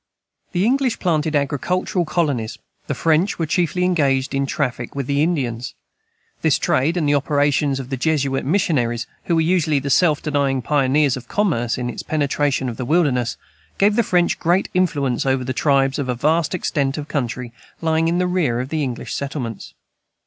The English planted agricultural colonies the French were chiefly engaged in traffic with the Indians. This trade, and the operations of the Jesuit missionaries, who were usually the self denying pioneers of commerce in its penetration of the wilderness, gave the French great influence over the tribes of a vast extent of country lying in the rear of the English settlements.